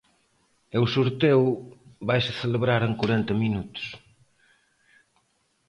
E o sorteo vaise celebrar en corenta minutos.